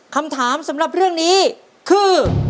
คำถามสำหรับเรื่องนี้คือ